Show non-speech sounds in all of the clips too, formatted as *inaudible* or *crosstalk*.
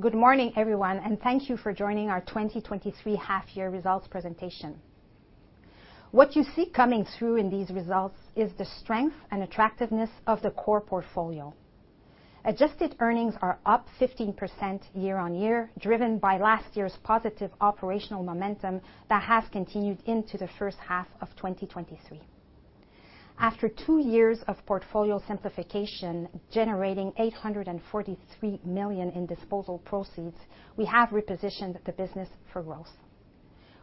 Good morning, everyone. Thank you for joining our 2023 half year results presentation. What you see coming through in these results is the strength and attractiveness of the core portfolio. Adjusted earnings are up 15% year-on-year, driven by last year's positive operational momentum that has continued into the first half of 2023. After two years of portfolio simplification, generating 843 million in disposal proceeds, we have repositioned the business for growth.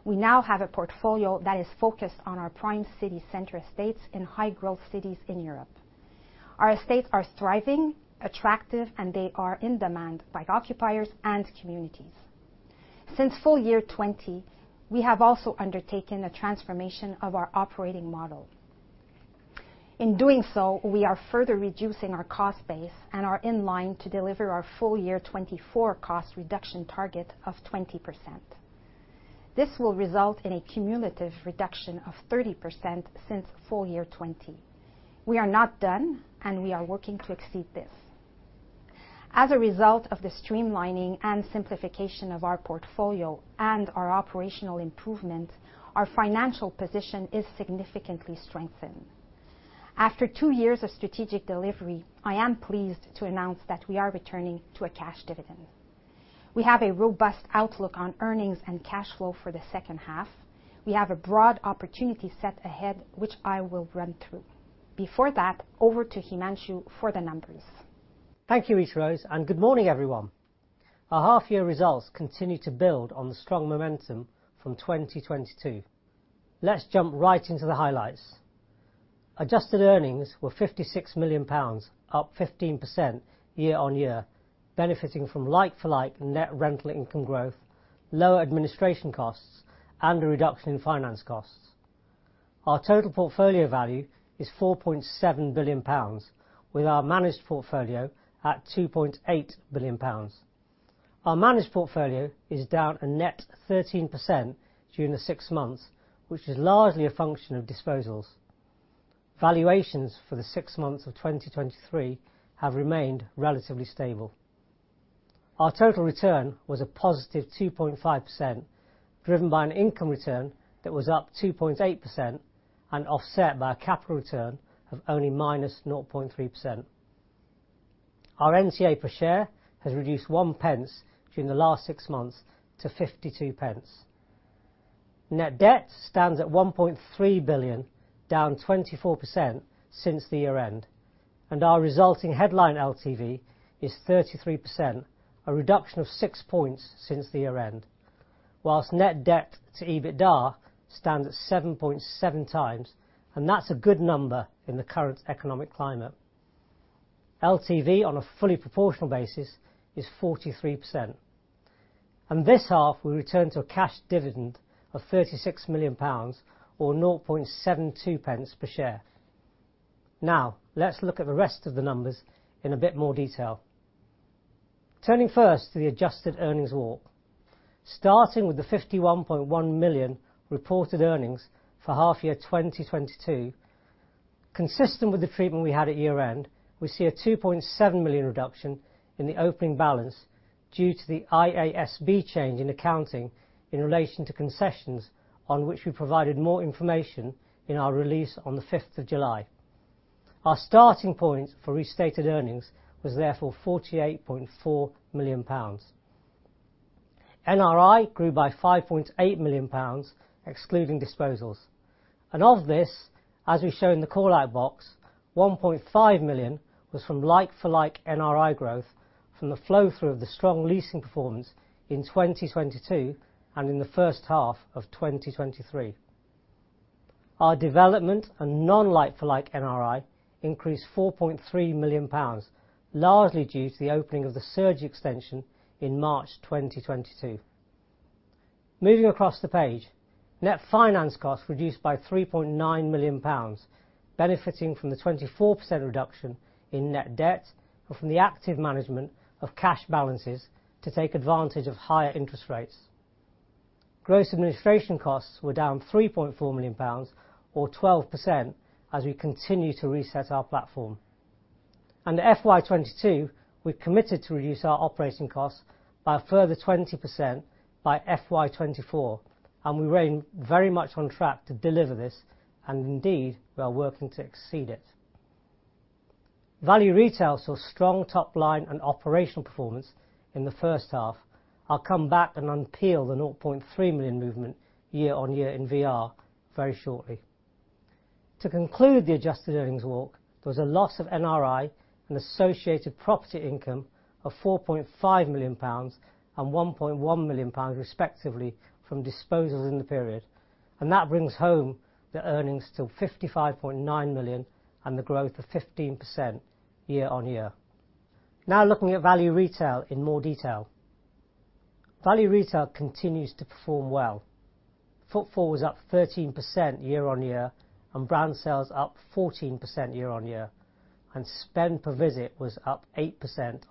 We now have a portfolio that is focused on our prime city center estates in high-growth cities in Europe. Our estates are thriving, attractive, and they are in demand by occupiers and communities. Since full year 2020, we have also undertaken a transformation of our operating model. In doing so, we are further reducing our cost base and are in line to deliver our full year 2024 cost reduction target of 20%. This will result in a cumulative reduction of 30% since full year 2020. We are not done, and we are working to exceed this. As a result of the streamlining and simplification of our portfolio and our operational improvement, our financial position is significantly strengthened. After two years of strategic delivery, I am pleased to announce that we are returning to a cash dividend. We have a robust outlook on earnings and cash flow for the second half. We have a broad opportunity set ahead, which I will run through. Before that, over to Himanshu for the numbers. Thank you, Rita-Rose. Good morning, everyone. Our half year results continue to build on the strong momentum from 2022. Let's jump right into the highlights. Adjusted earnings were 56 million pounds, up 15% year-on-year, benefiting from like-for-like NRI growth, lower administration costs, and a reduction in finance costs. Our total portfolio value is 4.7 billion pounds, with our managed portfolio at 2.8 billion pounds. Our managed portfolio is down a net 13% during the six months, which is largely a function of disposals. Valuations for the six months of 2023 have remained relatively stable. Our total return was a positive 2.5%, driven by an income return that was up 2.8% and offset by a capital return of only -0.3%. Our NTA per share has reduced 1 pence during the last six months to 52 pence. Net debt stands at 1.3 billion, down 24% since the year end. Our resulting headline LTV is 33%, a reduction of six points since the year end. Whilst net debt to EBITDA stands at 7.7x. That's a good number in the current economic climate. LTV on a fully proportional basis is 43%. This half, we return to a cash dividend of 36 million pounds, or 0.72 pence per share. Let's look at the rest of the numbers in a bit more detail. Turning first to the adjusted earnings walk. Starting with the 51.1 million reported earnings for half year 2022, consistent with the treatment we had at year-end, we see a 2.7 million reduction in the opening balance due to the IASB change in accounting in relation to concessions, on which we provided more information in our release on the 5th of July. Our starting point for restated earnings was therefore 48.4 million pounds. NRI grew by 5.8 million pounds, excluding disposals. Of this, as we show in the call-out box, 1.5 million was from like-for-like NRI growth from the flow-through of the strong leasing performance in 2022 and in the first half of 2023. Our development and non-like-for-like NRI increased 4.3 million pounds, largely due to the opening of the Cergy extension in March 2022. Moving across the page, net finance costs reduced by 3.9 million pounds, benefiting from the 24% reduction in net debt and from the active management of cash balances to take advantage of higher interest rates. Gross administration costs were down 3.4 million pounds, or 12%, as we continue to reset our platform. FY 2022, we've committed to reduce our operating costs by a further 20% by FY 2024, we remain very much on track to deliver this, and indeed, we are working to exceed it. Value Retail saw strong top line and operational performance in the first half. I'll come back and unpeel the 0.3 million movement year-on-year in VR very shortly. To conclude the adjusted earnings walk, there was a loss of NRI and associated property income of 4.5 million pounds and 1.1 million pounds, respectively, from disposals in the period. That brings home the earnings to 55.9 million and the growth of 15% year-on-year. Now, looking at Value Retail in more detail. Value Retail continues to perform well. Footfall was up 13% year-on-year, and brand sales up 14% year-on-year, and spend per visit was up 8%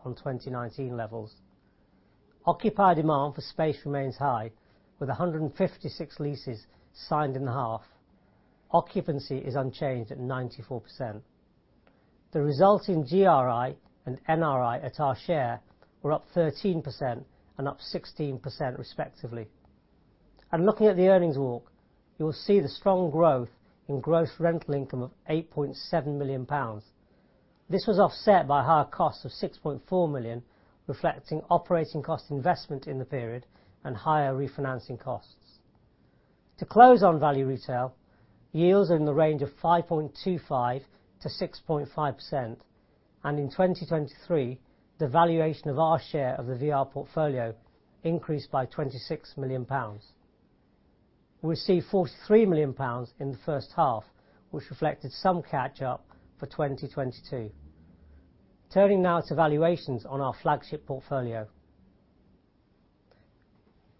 on 2019 levels. Occupier demand for space remains high, with 156 leases signed in half. Occupancy is unchanged at 94%. The resulting GRI and NRI at our share were up 13% and up 16%, respectively. Looking at the earnings walk, you will see the strong growth in gross rental income of 8.7 million pounds. This was offset by higher costs of 6.4 million, reflecting operating cost investment in the period and higher refinancing costs. To close on Value Retail, yields are in the range of 5.25%-6.5%, and in 2023, the valuation of our share of the VR portfolio increased by 26 million pounds. We see 43 million pounds in the first half, which reflected some catch up for 2022. Turning now to valuations on our flagship portfolio.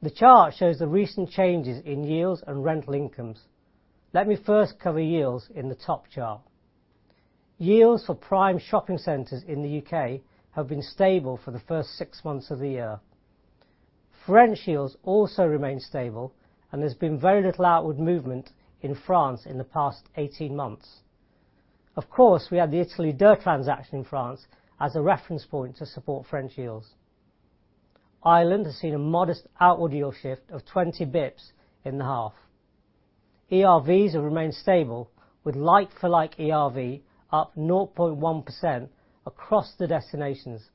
The chart shows the recent changes in yields and rental incomes. Let me first cover yields in the top chart. Yields for prime shopping centers in the U.K. have been stable for the first six months of the year. French yields also remain stable, there's been very little outward movement in France in the past 18 months. Of course, we had the Italie Deux transaction in France as a reference point to support French yields. Ireland has seen a modest outward yield shift of 20 basis points in the half. ERVs have remained stable, with like-for-like ERV up 0.1% across the destinations,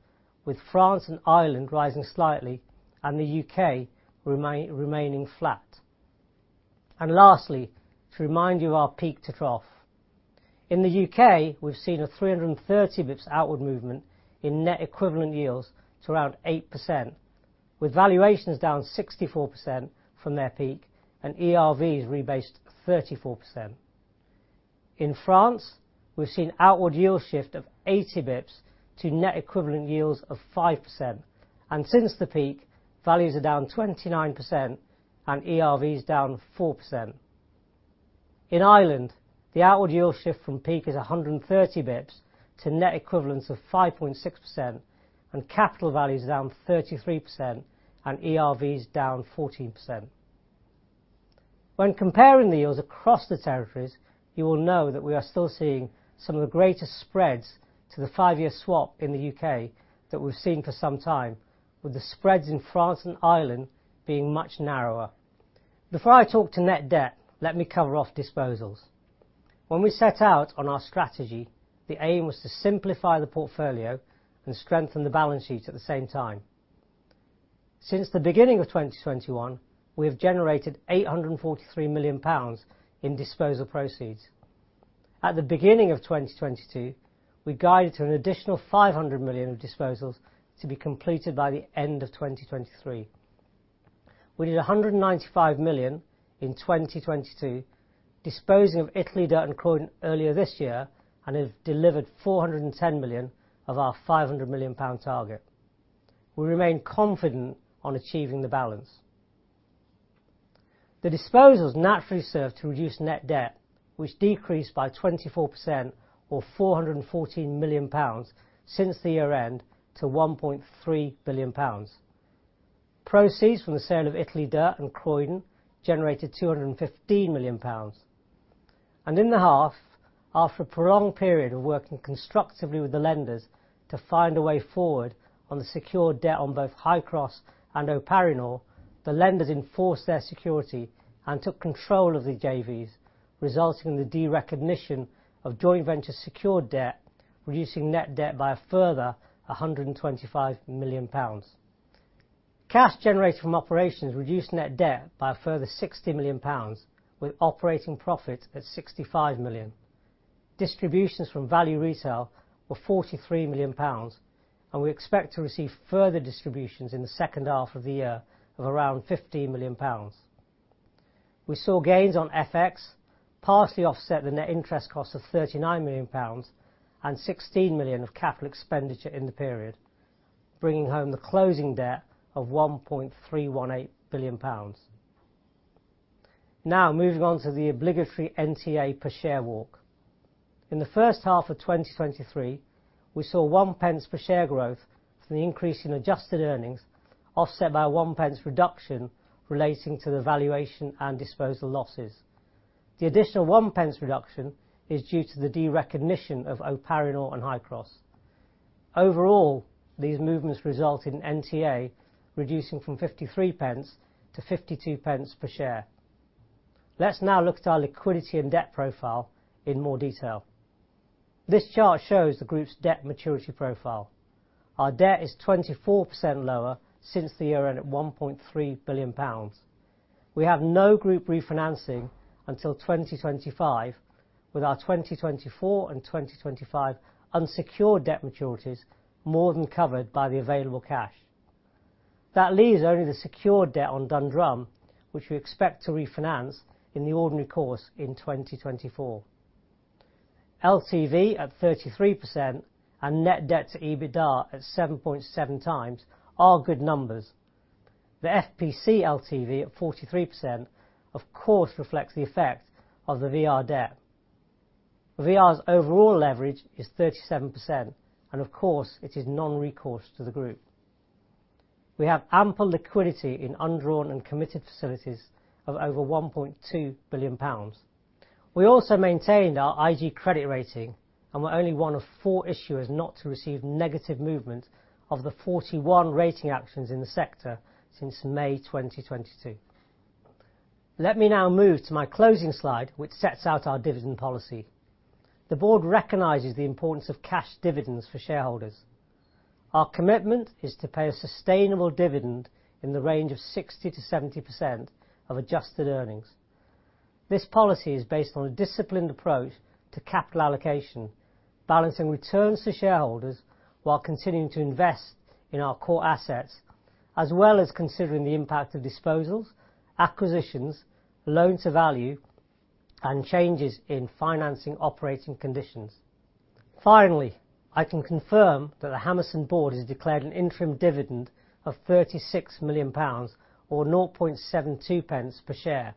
with France and Ireland rising slightly and the U.K. remaining flat. Lastly, to remind you of our peak to trough. In the U.K., we've seen a 330 basis points outward movement in net equivalent yields to around 8%, with valuations down 64% from their peak and ERVs rebased 34%. In France, we've seen outward yield shift of 80 basis points to net equivalent yields of 5%. Since the peak, values are down 29% and ERV is down 4%. In Ireland, the outward yield shift from peak is 130 basis points to net equivalents of 5.6%. Capital value is down 33% and ERV is down 14%. Comparing the yields across the territories, you will know that we are still seeing some of the greatest spreads to the five-year swap in the U.K. that we've seen for some time, with the spreads in France and Ireland being much narrower. Before I talk to net debt, let me cover off disposals. When we set out on our strategy, the aim was to simplify the portfolio and strengthen the balance sheet at the same time. Since the beginning of 2021, we have generated 843 million pounds in disposal proceeds. At the beginning of 2022, we guided to an additional 500 million of disposals to be completed by the end of 2023. We did 195 million in 2022, disposing of Italie Deux and Croydon earlier this year, and have delivered 410 million of our 500 million pound target. We remain confident on achieving the balance. The disposals naturally serve to reduce net debt, which decreased by 24% or 414 million pounds, since the year-end, to 1.3 billion pounds. Proceeds from the sale of Italie Deux and Croydon generated 215 million pounds. In the half, after a prolonged period of working constructively with the lenders to find a way forward on the secured debt on both Highcross and O'Parinor, the lenders enforced their security and took control of the JVs, resulting in the derecognition of joint venture secured debt, reducing net debt by a further 125 million pounds. Cash generated from operations reduced net debt by a further 60 million pounds, with operating profit at 65 million. Distributions from Value Retail were 43 million pounds, and we expect to receive further distributions in the second half of the year of around 15 million pounds. We saw gains on FX, partially offset the net interest costs of 39 million pounds and 16 million of capital expenditure in the period, bringing home the closing debt of 1.318 billion pounds. Now, moving on to the obligatory NTA per share walk. In the first half of 2023, we saw 1 pence per share growth from the increase in adjusted earnings, offset by 1 pence reduction relating to the valuation and disposal losses. The additional 1 pence reduction is due to the derecognition of O'Parinor and Highcross. Overall, these movements result in NTA reducing from 53 pence to 52 pence per share. Let's now look at our liquidity and debt profile in more detail. This chart shows the group's debt maturity profile. Our debt is 24% lower since the year-end, at 1.3 billion pounds. We have no group refinancing until 2025, with our 2024 and 2025 unsecured debt maturities more than covered by the available cash. That leaves only the secured debt on Dundrum, which we expect to refinance in the ordinary course in 2024. LTV at 33% and net debt to EBITDA at 7.7 times are good numbers. The FPC LTV at 43%, of course, reflects the effect of the VR debt. VR's overall leverage is 37%, and of course, it is non-recourse to the group. We have ample liquidity in undrawn and committed facilities of over 1.2 billion pounds. We also maintained our IG credit rating, we're only one of four issuers not to receive negative movement of the 41 rating actions in the sector since May 2022. Let me now move to my closing slide, which sets out our dividend policy. The board recognizes the importance of cash dividends for shareholders. Our commitment is to pay a sustainable dividend in the range of 60%-70% of adjusted earnings. This policy is based on a disciplined approach to capital allocation, balancing returns to shareholders while continuing to invest in our core assets, as well as considering the impact of disposals, acquisitions, loan to value, and changes in financing operating conditions. I can confirm that the Hammerson board has declared an interim dividend of 36 million pounds, or 0.72 pence per share.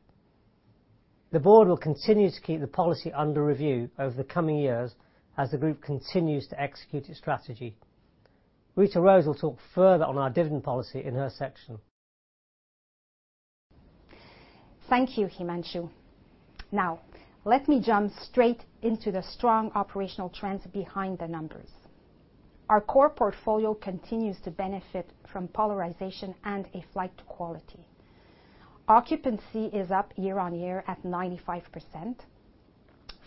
The board will continue to keep the policy under review over the coming years as the group continues to execute its strategy. Rita-Rose Gagné will talk further on our dividend policy in her section. Thank you, Himanshu. Let me jump straight into the strong operational trends behind the numbers. Our core portfolio continues to benefit from polarization and a flight to quality. Occupancy is up year-on-year at 95%.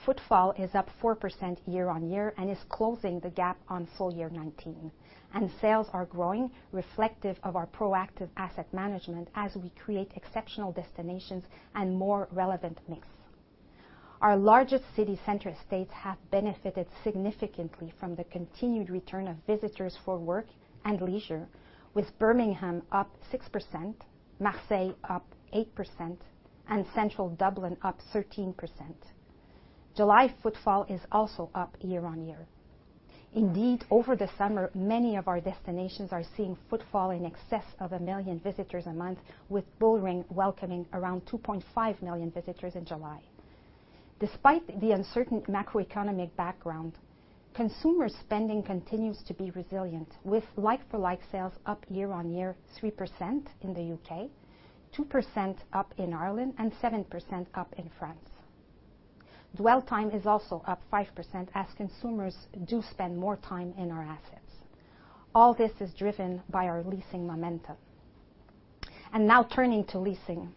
Footfall is up 4% year-on-year and is closing the gap on full year 2019. Sales are growing, reflective of our proactive asset management as we create exceptional destinations and more relevant mix. Our largest city center estates have benefited significantly from the continued return of visitors for work and leisure, with Birmingham up 6%, Marseille up 8%, and central Dublin up 13%. July footfall is also up year-on-year. Over the summer, many of our destinations are seeing footfall in excess of 1 million visitors a month, with Bullring welcoming around 2.5 million visitors in July. Despite the uncertain macroeconomic background, consumer spending continues to be resilient, with like-for-like sales up year-on-year 3% in the U.K., 2% up in Ireland, and 7% up in France. Dwell time is also up 5%, as consumers do spend more time in our assets. All this is driven by our leasing momentum. Now turning to leasing.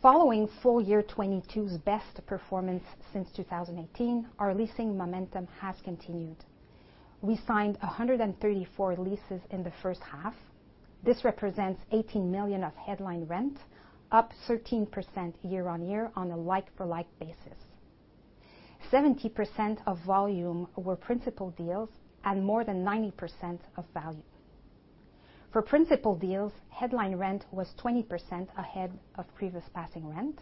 Following full year 2022's best performance since 2018, our leasing momentum has continued. We signed 134 leases in the first half. This represents 18 million of headline rent, up 13% year-on-year on a like-for-like basis. 70% of volume were principal deals at more than 90% of value. For principal deals, headline rent was 20% ahead of previous passing rent.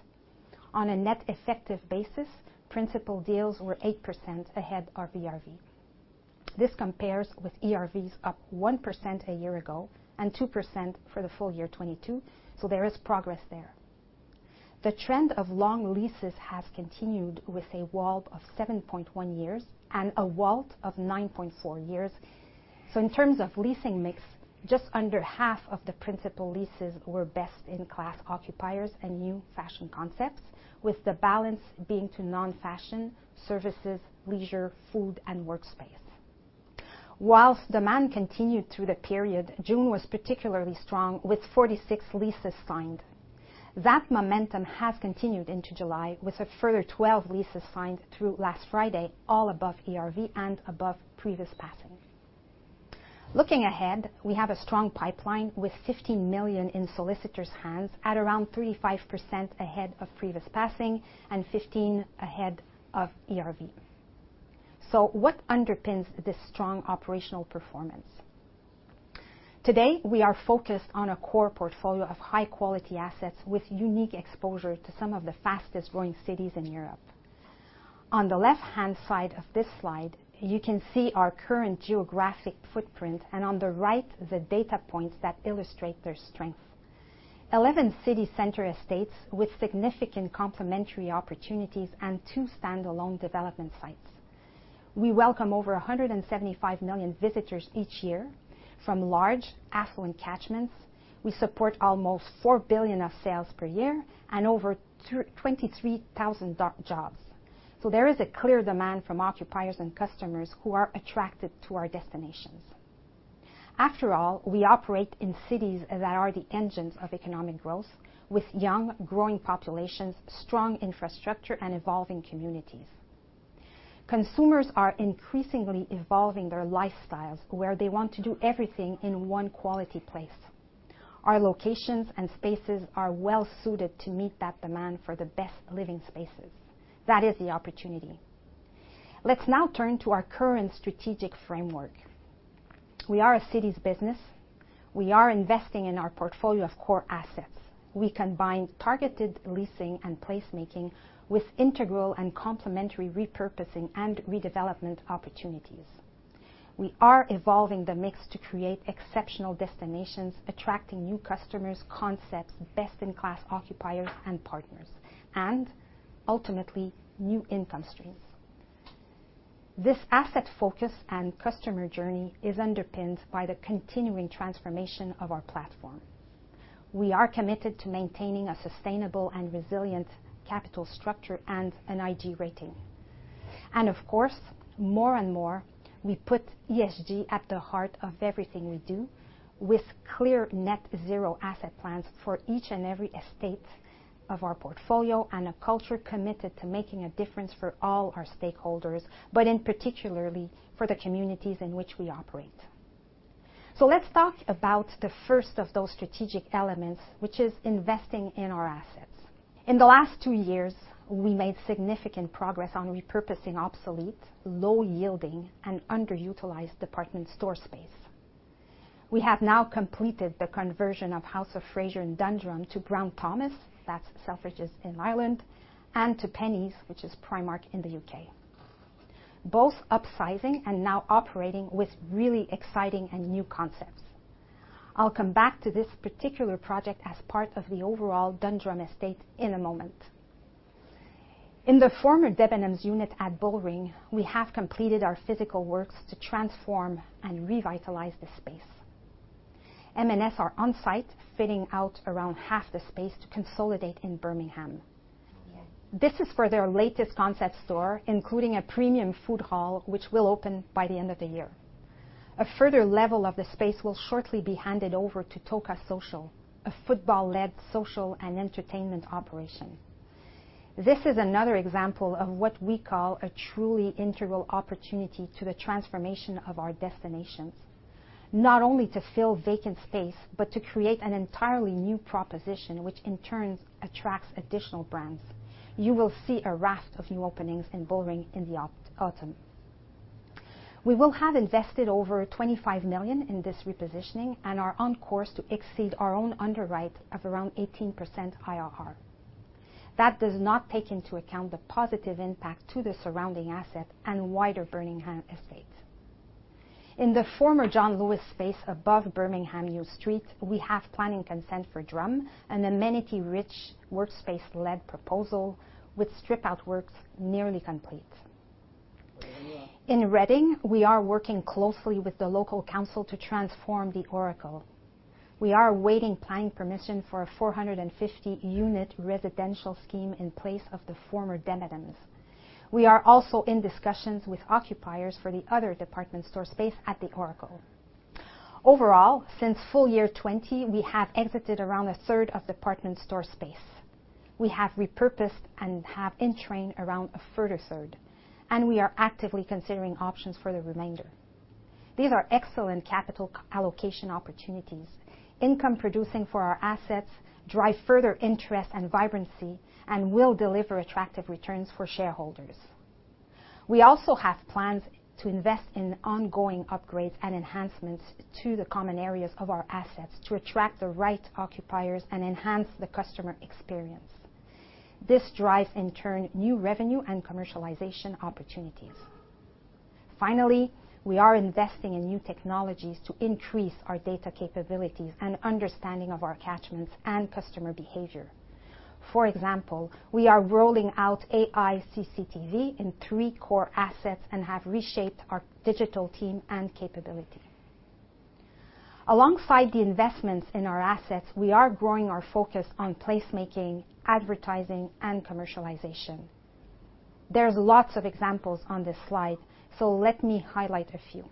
On a net effective basis, principal deals were 8% ahead of ERV. This compares with ERVs up 1% a year ago and 2% for the full year 2022, so there is progress there. The trend of long leases has continued with a WAULB of 7.1 years and a WAULT of 9.4 years. In terms of leasing mix, just under half of the principal leases were best-in-class occupiers and new fashion concepts, with the balance being to non-fashion, services, leisure, food, and workspace. Whilst demand continued through the period, June was particularly strong, with 46 leases signed. That momentum has continued into July, with a further 12 leases signed through last Friday, all above ERV and above previous passing. Looking ahead, we have a strong pipeline with 15 million in solicitors' hands at around 35% ahead of previous passing and 15 ahead of ERV. What underpins this strong operational performance? Today, we are focused on a core portfolio of high-quality assets with unique exposure to some of the fastest-growing cities in Europe. On the left-hand side of this slide, you can see our current geographic footprint, and on the right, the data points that illustrate their strength. 11 city center estates with significant complementary opportunities and two standalone development sites. We welcome over 175 million visitors each year from large affluent catchments. We support almost 4 billion of sales per year and over 23,000 jobs. There is a clear demand from occupiers and customers who are attracted to our destinations. After all, we operate in cities that are the engines of economic growth, with young, growing populations, strong infrastructure, and evolving communities. Consumers are increasingly evolving their lifestyles where they want to do everything in one quality place. Our locations and spaces are well suited to meet that demand for the best living spaces. That is the opportunity. Let's now turn to our current strategic framework. We are a cities business. We are investing in our portfolio of core assets. We combine targeted leasing and placemaking with integral and complementary repurposing and redevelopment opportunities. We are evolving the mix to create exceptional destinations, attracting new customers, concepts, best-in-class occupiers and partners, and ultimately, new income streams. This asset focus and customer journey is underpinned by the continuing transformation of our platform. We are committed to maintaining a sustainable and resilient capital structure and an IG rating. Of course, more and more, we put ESG at the heart of everything we do, with clear net zero asset plans for each and every estate of our portfolio, and a culture committed to making a difference for all our stakeholders, but in particularly, for the communities in which we operate. Let's talk about the first of those strategic elements, which is investing in our assets. In the last two years, we made significant progress on repurposing obsolete, low-yielding, and underutilized department store space. We have now completed the conversion of House of Fraser in Dundrum to Brown Thomas, that's Selfridges in Ireland, and to Penneys, which is Primark in the U.K., both upsizing and now operating with really exciting and new concepts. I'll come back to this particular project as part of the overall Dundrum estate in a moment. In the former Debenhams unit at Bullring, we have completed our physical works to transform and revitalize the space. M&S are on site, fitting out around half the space to consolidate in Birmingham. This is for their latest concept store, including a premium food hall, which will open by the end of the year. A further level of the space will shortly be handed over to TOCA Social, a football-led social and entertainment operation. This is another example of what we call a truly integral opportunity to the transformation of our destinations, not only to fill vacant space, but to create an entirely new proposition, which in turn attracts additional brands. You will see a raft of new openings in Bullring in the autumn. We will have invested over 25 million in this repositioning and are on course to exceed our own underwrite of around 18% IRR. That does not take into account the positive impact to the surrounding asset and wider Birmingham estate. In the former John Lewis space above Birmingham New Street, we have planning consent for Drum, an amenity-rich, workspace-led proposal with strip-out works nearly complete. In Reading, we are working closely with the local council to transform The Oracle. We are awaiting planning permission for a 450-unit residential scheme in place of the former Debenhams. We are also in discussions with occupiers for the other department store space at The Oracle. Overall, since full year 2020, we have exited around a third of department store space. We have repurposed and have in train around a further third, and we are actively considering options for the remainder. These are excellent capital allocation opportunities, income producing for our assets, drive further interest and vibrancy, and will deliver attractive returns for shareholders. We also have plans to invest in ongoing upgrades and enhancements to the common areas of our assets to attract the right occupiers and enhance the customer experience. This drives, in turn, new revenue and commercialization opportunities. Finally, we are investing in new technologies to increase our data capabilities and understanding of our catchments and customer behavior. For example, we are rolling out AI CCTV in three core assets and have reshaped our digital team and capability. Alongside the investments in our assets, we are growing our focus on placemaking, advertising, and commercialization. There's lots of examples on this slide, let me highlight a few.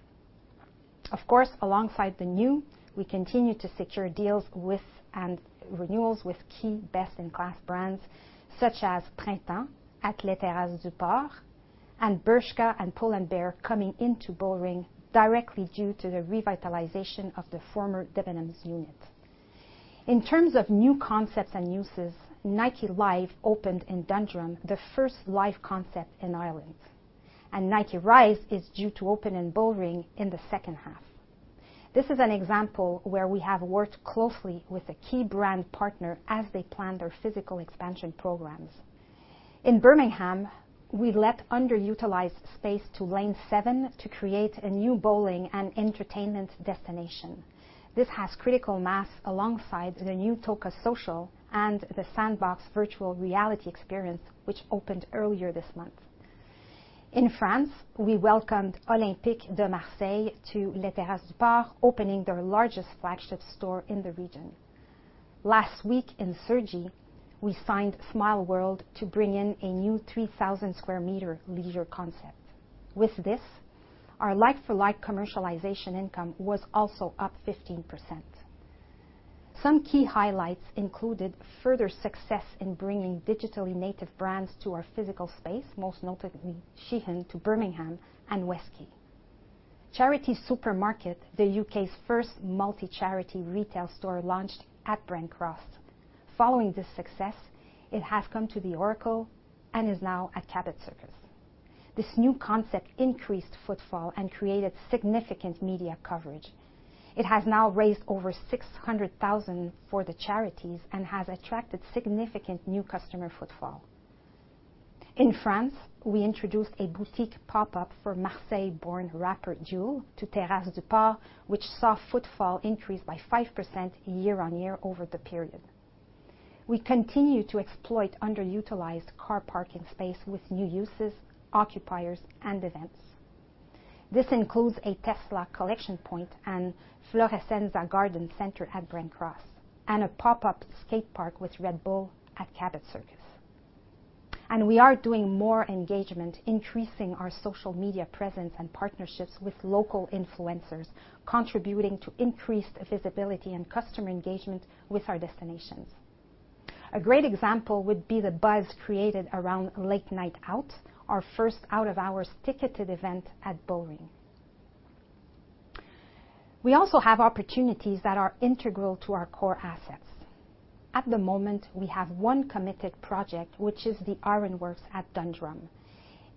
Of course, alongside the new, we continue to secure deals with and renewals with key best-in-class brands, such as Printemps at Les Terrasses du Port, and Bershka and Pull&Bear coming into Bullring directly due to the revitalization of the former Debenhams unit. In terms of new concepts and uses, Nike Live opened in Dundrum, the first live concept in Ireland, and Nike Rise is due to open in Bullring in the second half. This is an example where we have worked closely with a key brand partner as they plan their physical expansion programs. In Birmingham, we let underutilized space to Lane7 to create a new bowling and entertainment destination. This has critical mass alongside the new TOCA Social and the Sandbox VR experience, which opened earlier this month. In France, we welcomed Olympique de Marseille to Les Terrasses du Port, opening their largest flagship store in the region. Last week in Cergy, we signed Smile World to bring in a new 3,000 sq m leisure concept. With this, our like-for-like commercialization income was also up 15%. Some key highlights included further success in bringing digitally native brands to our physical space, most notably, Shein to Birmingham and Westquay. Charity Super.Mkt, the U.K.'s first multi-charity retail store, launched at Brent Cross. Following this success, it has come to The Oracle and is now at Cabot Circus. This new concept increased footfall and created significant media coverage. It has now raised over 600,000 for the charities and has attracted significant new customer footfall. In France, we introduced a boutique pop-up for Marseille-born rapper, Jul, to Terrasses du Port, which saw footfall increase by 5% year-over-year over the period. We continue to explore underutilized car parking space with new uses, occupiers, and events. This includes a Tesla collection point and Florescenza Garden Centre at Brent Cross, and a pop-up skate park with Red Bull at Cabot Circus. We are doing more engagement, increasing our social media presence and partnerships with local influencers, contributing to increased visibility and customer engagement with our destinations. A great example would be the buzz created around Late Night Out, our first out-of-hours ticketed event at Bullring. We also have opportunities that are integral to our core assets. At the moment, we have one committed project, which is the Ironworks at Dundrum,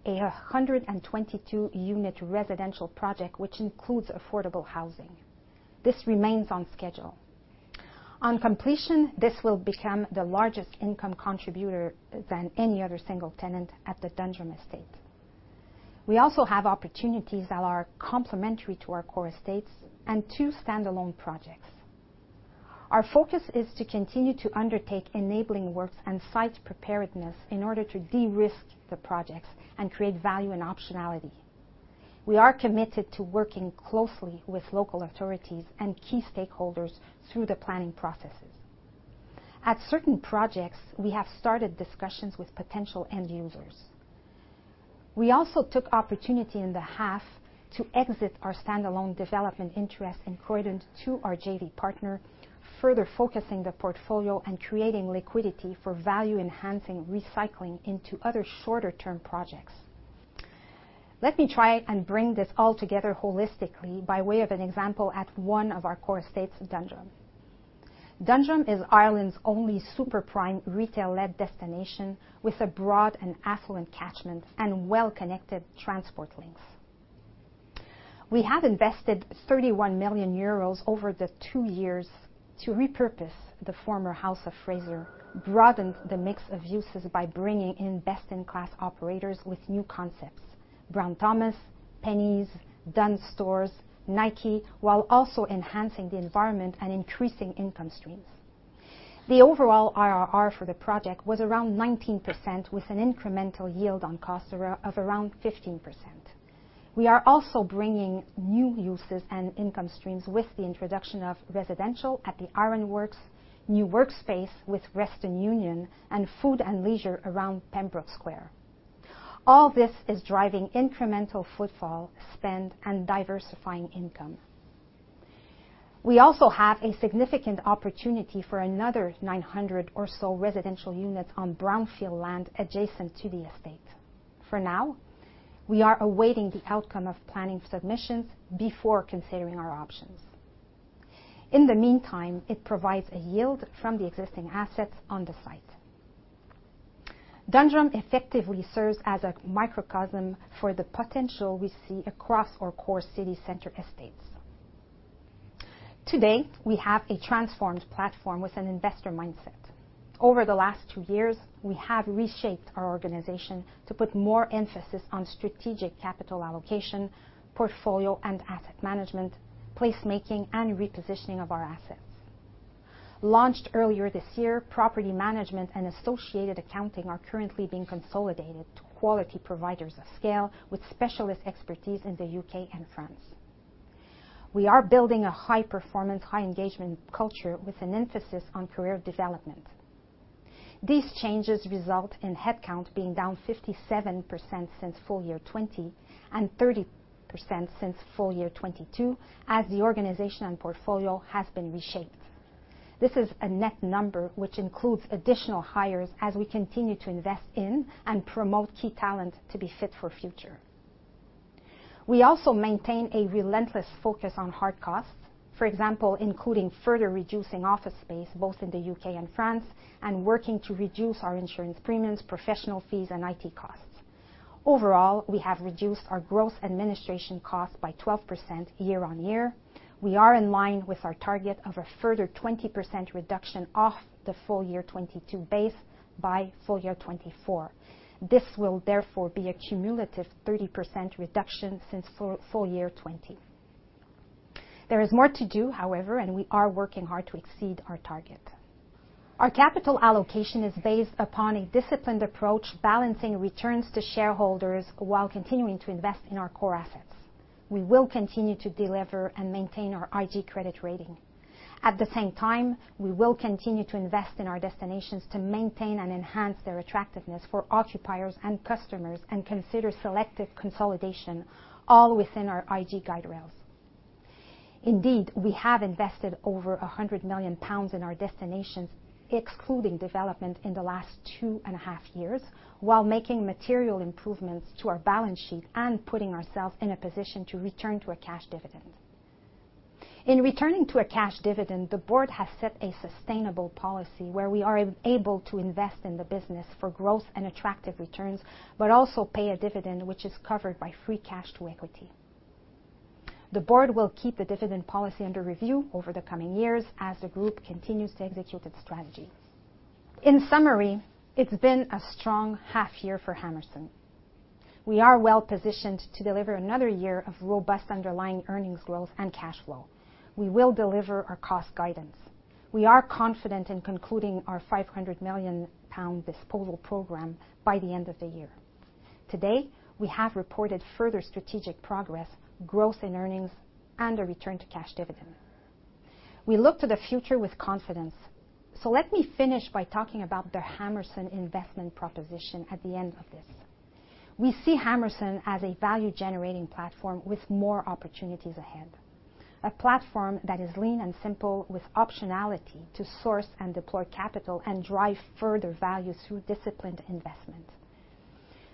a 122 unit residential project, which includes affordable housing. This remains on schedule. On completion, this will become the largest income contributor than any other single tenant at the Dundrum estate. We also have opportunities that are complementary to our core estates and two standalone projects. Our focus is to continue to undertake enabling works and site preparedness in order to de-risk the projects and create value and optionality. We are committed to working closely with local authorities and key stakeholders through the planning processes. At certain projects, we have started discussions with potential end users. We also took opportunity in the half to exit our standalone development interest in Croydon to our JV partner, further focusing the portfolio and creating liquidity for value-enhancing, recycling into other shorter-term projects. Let me try and bring this all together holistically by way of an example at one of our core estates, Dundrum. Dundrum is Ireland's only super prime retail-led destination, with a broad and affluent catchment and well-connected transport links. We have invested 31 million euros over the two years to repurpose the former House of Fraser, broaden the mix of uses by bringing in best-in-class operators with new concepts, Brown Thomas, Penneys, Dunnes Stores, Nike, while also enhancing the environment and increasing income streams. The overall IRR for the project was around 19%, with an incremental yield on cost of around 15%. We are also bringing new uses and income streams with the introduction of residential at the Ironworks, new workspace with Western Union, and food and leisure around Pembroke Square. All this is driving incremental footfall, spend, and diversifying income. We also have a significant opportunity for another 900 or so residential units on brownfield land adjacent to the estate. For now, we are awaiting the outcome of planning submissions before considering our options. In the meantime, it provides a yield from the existing assets on the site. Dundrum effectively serves as a microcosm for the potential we see across our core city center estates. Today, we have a transformed platform with an investor mindset. Over the last two years, we have reshaped our organization to put more emphasis on strategic capital allocation, portfolio and asset management, placemaking, and repositioning of our assets. Launched earlier this year, property management and associated accounting are currently being consolidated to quality providers of scale, with specialist expertise in the U.K. and France. We are building a high-performance, high-engagement culture with an emphasis on career development. These changes result in headcount being down 57% since full year 2020, and 30% since full year 2022, as the organization and portfolio has been reshaped. This is a net number, which includes additional hires as we continue to invest in and promote key talent to be fit for future. We also maintain a relentless focus on hard costs. For example, including further reducing office space, both in the U.K. and France, and working to reduce our insurance premiums, professional fees, and IT costs. Overall, we have reduced our gross administration costs by 12% year-over-year. We are in line with our target of a further 20% reduction off the full year 2022 base by full year 2024. This will therefore be a cumulative 30% reduction since full year 2020. There is more to do, however, and we are working hard to exceed our target. Our capital allocation is based upon a disciplined approach, balancing returns to shareholders while continuing to invest in our core assets. We will continue to deliver and maintain our IG credit rating. At the same time, we will continue to invest in our destinations to maintain and enhance their attractiveness for occupiers and customers, and consider selective consolidation, all within our IG guide rails. Indeed, we have invested over 100 million pounds in our destinations, excluding development in the last 2.5 years, while making material improvements to our balance sheet and putting ourselves in a position to return to a cash dividend. In returning to a cash dividend, the board has set a sustainable policy where we are able to invest in the business for growth and attractive returns, but also pay a dividend which is covered by free cash to equity. The board will keep the dividend policy under review over the coming years as the group continues to execute its strategy. In summary, it's been a strong half year for Hammerson.... We are well positioned to deliver another year of robust underlying earnings growth and cash flow. We will deliver our cost guidance. We are confident in concluding our 500 million pound disposal program by the end of the year. Today, we have reported further strategic progress, growth in earnings, and a return to cash dividend. We look to the future with confidence. Let me finish by talking about the Hammerson investment proposition at the end of this. We see Hammerson as a value-generating platform with more opportunities ahead, a platform that is lean and simple, with optionality to source and deploy capital and drive further value through disciplined investment.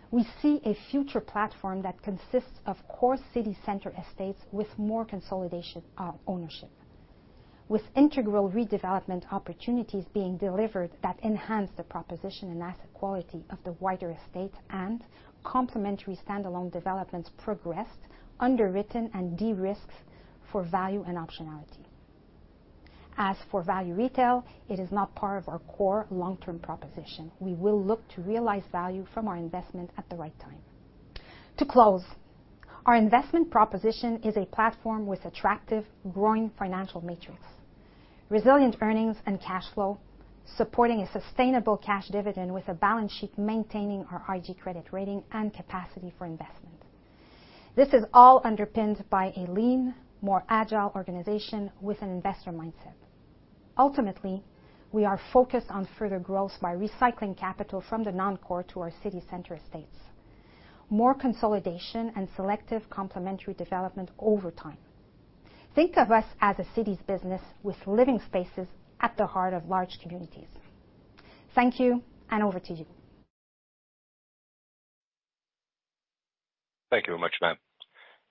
We see a future platform that consists of core city center estates with more consolidation, ownership, with integral redevelopment opportunities being delivered that enhance the proposition and asset quality of the wider estate and complementary standalone developments progressed, underwritten, and de-risked for value and optionality. As for Value Retail, it is not part of our core long-term proposition. We will look to realize value from our investment at the right time. To close, our investment proposition is a platform with attractive, growing financial metrics, resilient earnings and cash flow, supporting a sustainable cash dividend with a balance sheet, maintaining our IG credit rating and capacity for investment. This is all underpinned by a lean, more agile organization with an investor mindset. Ultimately, we are focused on further growth by recycling capital from the non-core to our city center estates. More consolidation and selective complementary development over time. Think of us as a cities business with living spaces at the heart of large communities. Thank you, over to you. Thank you very much, ma'am.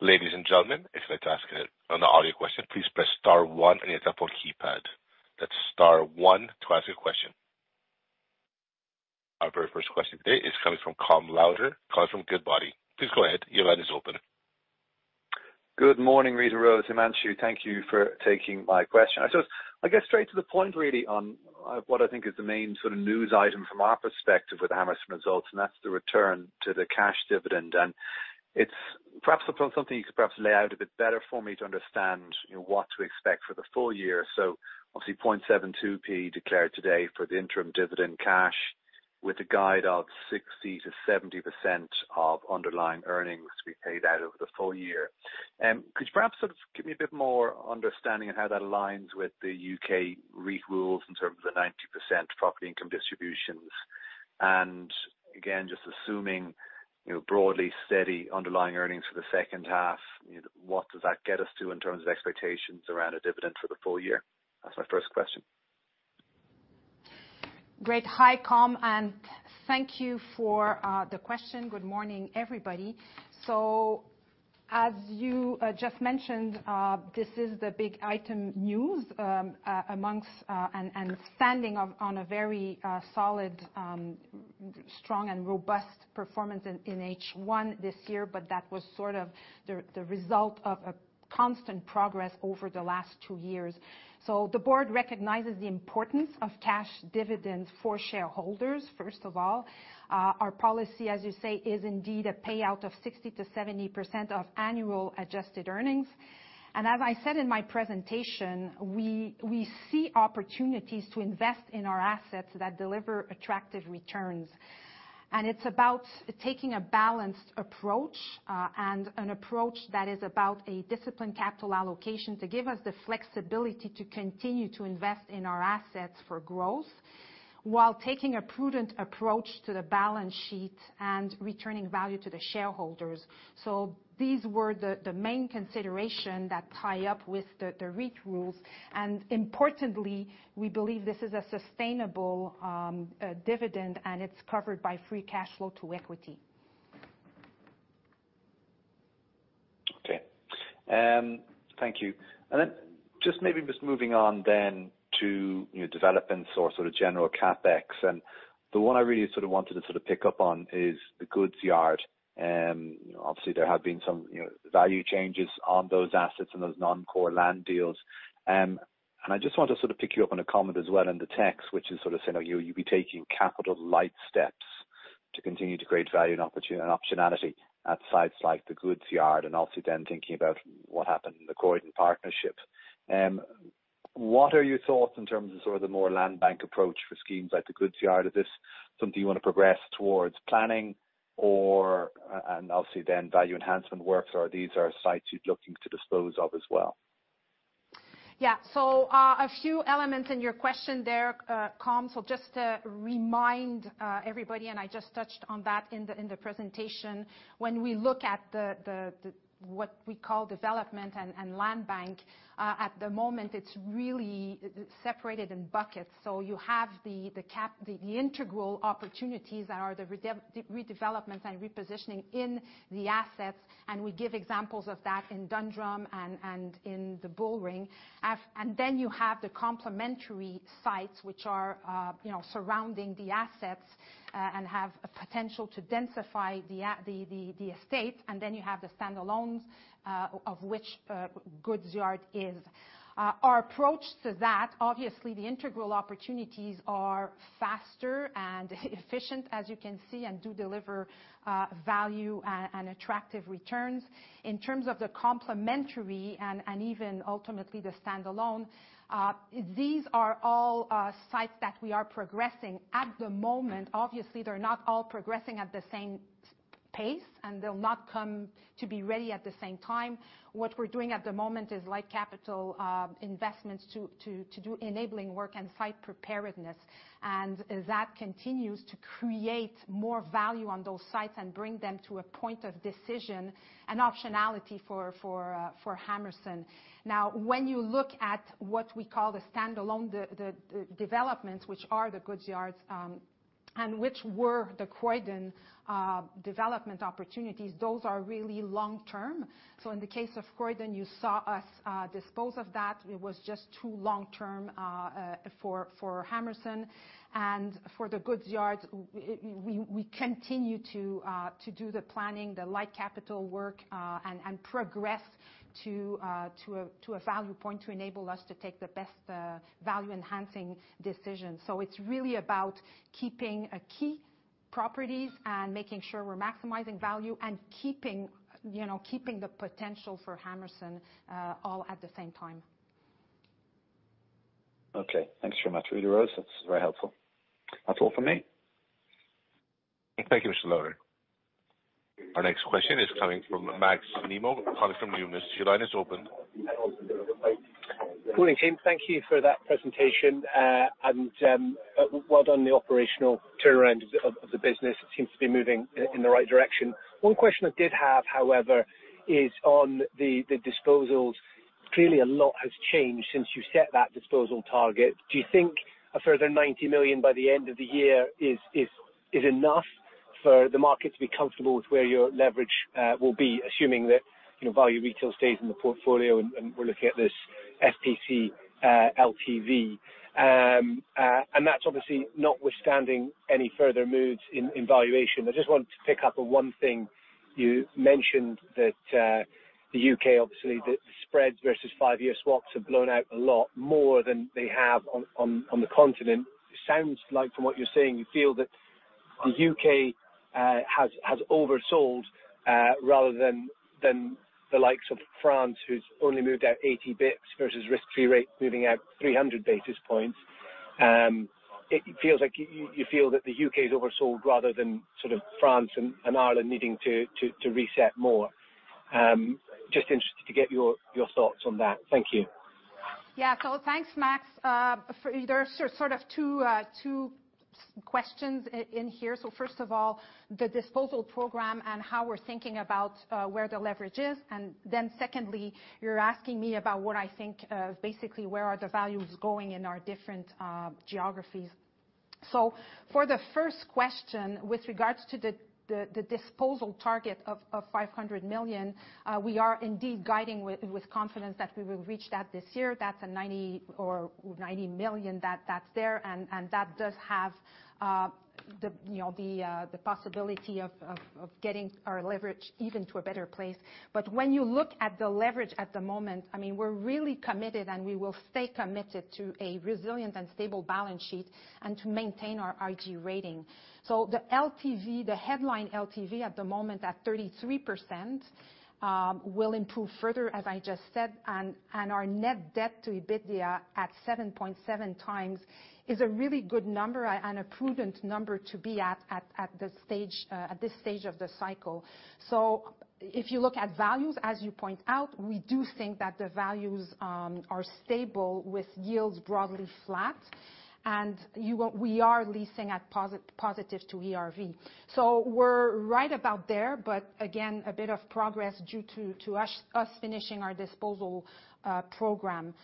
Ladies and gentlemen, if you'd like to ask an audio question, please press star one on your telephone keypad. That's star one to ask a question. Our very first question today is coming from Colm Lauder, calling from Goodbody. Please go ahead. Your line is open. Good morning, Rita-Rose and Himanshu. Thank you for taking my question. I'll get straight to the point, really, on what I think is the main sort of news item from our perspective with the Hammerson results, and that's the return to the cash dividend. It's perhaps something you could perhaps lay out a bit better for me to understand, you know, what to expect for the full year. Obviously, 0.72p declared today for the interim dividend cash, with a guide of 60% to 70% of underlying earnings to be paid out over the full year. Could you perhaps sort of give me a bit more understanding of how that aligns with the U.K. REIT rules in terms of the 90% property income distributions? Again, just assuming, you know, broadly steady underlying earnings for the second half, you know, what does that get us to in terms of expectations around a dividend for the full year? That's my first question. Great. Hi, Colm, and thank you for the question. Good morning, everybody. As you just mentioned, this is the big item news, amongst, and standing on a very solid, strong and robust performance in H1 this year, but that was the result of a constant progress over the last two years. The board recognizes the importance of cash dividends for shareholders, first of all. Our policy, as you say, is indeed a payout of 60%-70% of annual adjusted earnings. As I said in my presentation, we see opportunities to invest in our assets that deliver attractive returns. It's about taking a balanced approach, and an approach that is about a disciplined capital allocation, to give us the flexibility to continue to invest in our assets for growth, while taking a prudent approach to the balance sheet and returning value to the shareholders. These were the main consideration that tie up with the REIT rules. Importantly, we believe this is a sustainable, dividend, and it's covered by free cash flow to equity. Okay. Thank you. Then just maybe just moving on then to, you know, developments or sort of general CapEx. The one I really sort of wanted to pick up on is The Goodsyard. You know, obviously there have been some, you know, value changes on those assets and those non-core land deals. I just want to sort of pick you up on a comment as well in the text, which is sort of saying, you'll be taking capital light steps to continue to create value and optionality at sites like The Goodsyard, and obviously then thinking about what happened in the Croydon partnership. What are your thoughts in terms of sort of the more land bank approach for schemes like The Goodsyard? Is this something you want to progress towards planning or... Obviously then value enhancement works, or are these are sites you're looking to dispose of as well? Yeah. A few elements in your question there, Colm. Just to remind everybody, and I just touched on that in the presentation. When we look at the, what we call development and land bank at the moment, it's really separated in buckets. You have the integral opportunities that are the redevelopment and repositioning in the assets, and we give examples of that in Dundrum and in the Bullring. You have the complementary sites, which are, you know, surrounding the assets, and have a potential to densify the estate. You have the standalones, of which Goodsyard is. Our approach to that, obviously, the integral opportunities are faster and efficient, as you can see, and do deliver value and attractive returns. In terms of the complementary and even ultimately the standalone, these are all sites that we are progressing at the moment. Obviously, they're not all progressing at the same pace, they'll not come to be ready at the same time. What we're doing at the moment is light capital investments to do enabling work and site preparedness. As that continues to create more value on those sites and bring them to a point of decision and optionality for Hammerson. When you look at what we call the standalone, the developments, which are the Goodsyard, and which were the Croydon development opportunities, those are really long-term. In the case of Croydon, you saw us dispose of that. It was just too long term for Hammerson. For The Goodsyard, we continue to do the planning, the light capital work, and progress to a value point to enable us to take the best value-enhancing decision. It's really about keeping key properties and making sure we're maximizing value and keeping, you know, keeping the potential for Hammerson all at the same time. Okay, thanks very much, Rita-Rose. That's very helpful. That's all for me. Thank you, Mr. Lauder. Our next question is coming from Max Nimmo calling from Numis. Your line is open. Good morning, team. Thank you for that presentation. Well done on the operational turnaround of the business. It seems to be moving in the right direction. One question I did have, however, is on the disposals. Clearly, a lot has changed since you set that disposal target. Do you think a further 90 million by the end of the year is enough for the market to be comfortable with where your leverage will be, assuming that, you know, Value Retail stays in the portfolio, and we're looking at this FPC LTV? That's obviously notwithstanding any further moves in valuation. I just wanted to pick up on one thing you mentioned, that the U.K., obviously, the spreads versus five-year swaps have blown out a lot more than they have on the continent. Sounds like from what you're saying, you feel that the U.K. has oversold rather than the likes of France, who's only moved out 80 basis points versus risk-free rate, moving out 300 basis points. It feels like you feel that the U.K. is oversold rather than sort of France and Ireland needing to reset more. Just interested to get your thoughts on that. Thank you. Thanks, Max. There are sort of two questions in here. First of all, the disposal program and how we're thinking about where the leverage is, and then secondly, you're asking me about what I think of basically, where are the values going in our different geographies. For the first question, with regards to the disposal target of 500 million, we are indeed guiding with confidence that we will reach that this year. That's a 90 or 90 million that's there, and that does have, you know, the possibility of getting our leverage even to a better place. When you look at the leverage at the moment, I mean, we're really committed, and we will stay committed to a resilient and stable balance sheet and to maintain our IG rating. The LTV, the headline LTV at the moment, at 33%, will improve further, as I just said, and our net debt to EBITDA at 7.7x is a really good number and a prudent number to be at this stage of the cycle. If you look at values, as you point out, we do think that the values are stable with yields broadly flat, and we are leasing at positive to ERV. We're right about there, but again, a bit of progress due to us finishing our disposal program.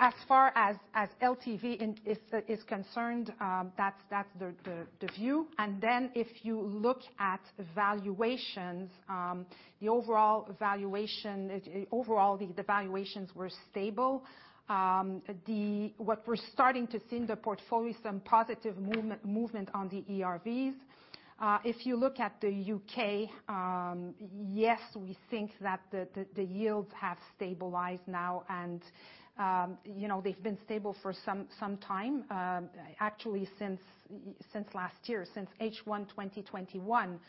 As far as LTV is concerned, that's the view. If you look at valuations, the overall valuations were stable. What we're starting to see in the portfolio, some positive movement on the ERVs. If you look at the U.K., yes, we think that the yields have stabilized now, and, you know, they've been stable for some time, actually, since last year, since H1 2021.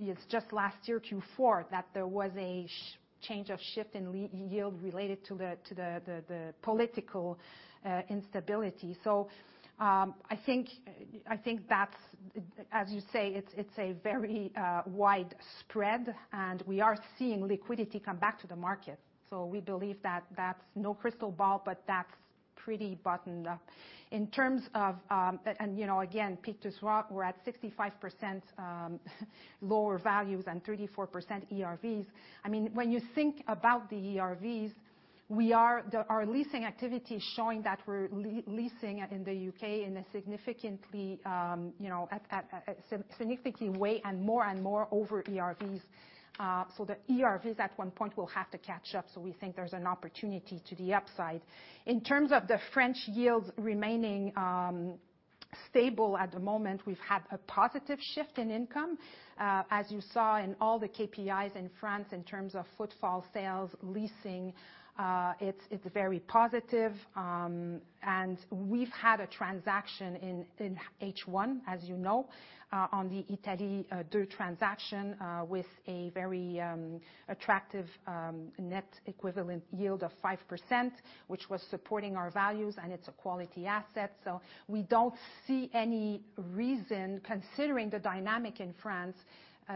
It's just last year, Q4, that there was a change of shift in yield related to the political instability. I think that's, as you say, it's a very wide spread, and we are seeing liquidity come back to the market. We believe that that's no crystal ball, but that's pretty buttoned up. In terms of, you know, again, peak to swap, we're at 65% lower values and 34% ERVs. I mean, when you think about the ERVs, we are, our leasing activity is showing that we're leasing in the U.K. in a significantly, you know, at significantly way and more and more over ERVs. The ERVs at 1 point will have to catch up, so we think there's an opportunity to the upside. In terms of the French yields remaining stable at the moment, we've had a positive shift in income, as you saw in all the KPIs in France in terms of footfall sales, leasing. It's very positive. We've had a transaction in H1, as you know, on the Italy deal transaction, with a very attractive net equivalent yield of 5%, which was supporting our values, and it's a quality asset. We don't see any reason, considering the dynamic in France,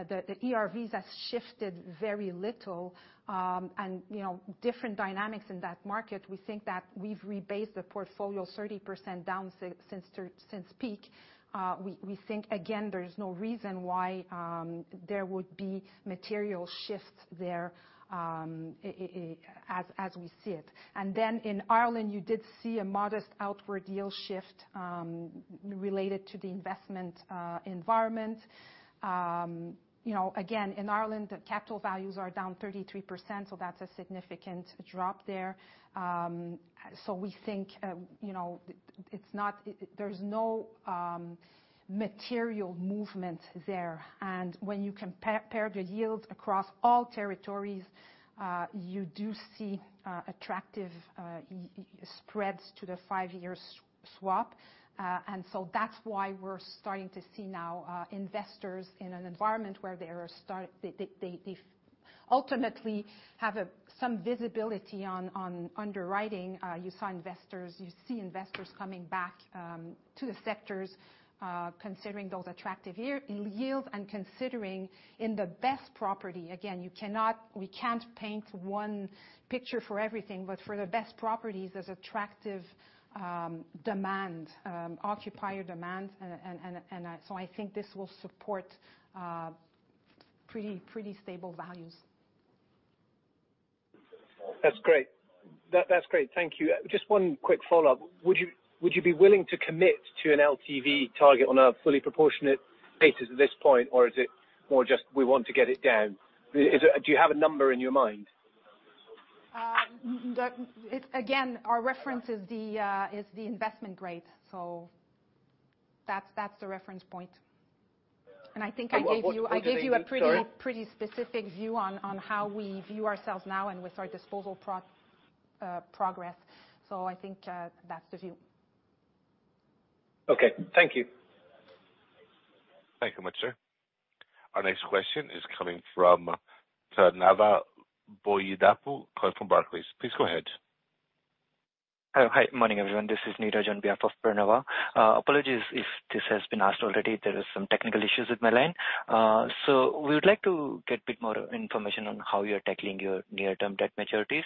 the ERVs has shifted very little, and, you know, different dynamics in that market. We think that we've rebased the portfolio 30% down since peak. We think, again, there's no reason why there would be material shifts there, as we see it. In Ireland, you did see a modest outward yield shift related to the investment environment. You know, again, in Ireland, the capital values are down 33%, so that's a significant drop there. We think there's no material movement there. When you compare the yields across all territories, you do see attractive spreads to the five-year swap. That's why we're starting to see now investors in an environment where they ultimately have some visibility on underwriting. You see investors coming back to the sectors, considering those attractive yields, and considering in the best property, again, we can't paint one picture for everything, but for the best properties, there's attractive demand, occupier demand. I think this will support pretty stable values. That's great, thank you. Just one quick follow-up. Would you be willing to commit to an LTV target on a fully proportionate basis at this point, or is it more just we want to get it down? Do you have a number in your mind? It's, again, our reference is the investment grade, so that's the reference point. I think I gave you- *crosstalk* I gave you a pretty specific view on how we view ourselves now and with our disposal progress. I think that's the view. Okay. Thank you. Thank you much, sir. Our next question is coming from Pranava Boyidapu, calling from Barclays. Please go ahead. Hi, morning, everyone. This is Niraj on behalf of Pranava. Apologies if this has been asked already, there are some technical issues with my line. We would like to get a bit more information on how you're tackling your near-term debt maturities,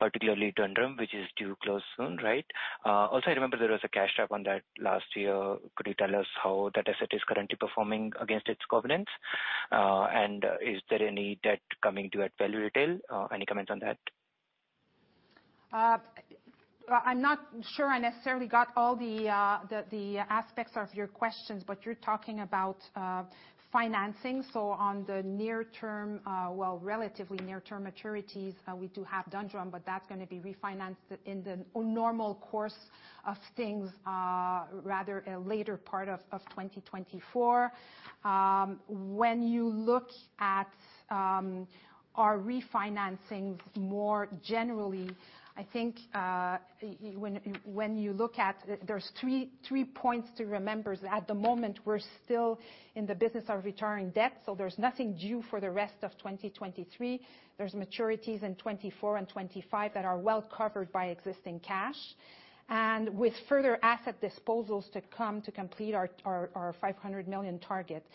particularly Dundrum, which is due to close soon, right? I remember there was a cash drop on that last year. Could you tell us how that asset is currently performing against its covenants? Is there any debt coming due at Value Retail? Any comments on that? Well, I'm not sure I necessarily got all the aspects of your questions, but you're talking about financing. On the near term, well, relatively near-term maturities, we do have Dundrum, but that's gonna be refinanced in the normal course of things, rather a later part of 2024. When you look at our refinancing more generally, I think, when you look at, there's three points to remember. At the moment, we're still in the business of returning debt, there's nothing due for the rest of 2023. There's maturities in 2024 and 2025 that are well covered by existing cash, and with further asset disposals to come to complete our 500 million target.